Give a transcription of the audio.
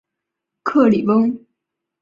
克里翁。